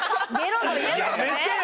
やめてよ！